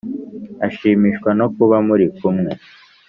ashimishwa no kuba muri kumwe